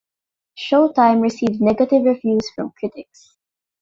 "Showtime" received negative reviews from critics.